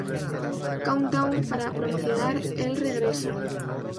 Countdown" para promocionar el regreso.